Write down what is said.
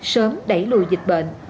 sớm đẩy lùi dịch bệnh